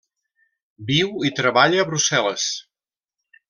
Viu i treballa a Brussel·les.